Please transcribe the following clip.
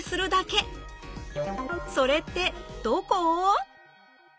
それってどこ？